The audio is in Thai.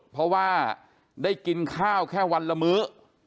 เพราะว่าได้กินข้าวแค่วันละมื้อ